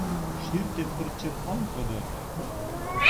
Шӱртӧ пырчым ом кодо.